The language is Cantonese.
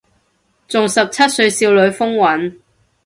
仲十七歲少女風韻